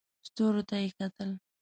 ستورو ته یې کتل.